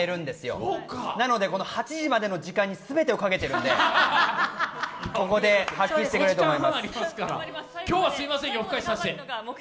なので８時までの時間に全てをかけているんでここで発揮すると思います。